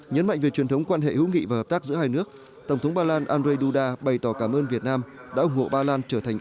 nhấn mạnh về truyền thống quan hệ hữu nghị và hợp tác giữa hai nước tổng thống ba lan andrzej duda bày tỏ cảm ơn việt nam đã ủng hộ ba lan trở thành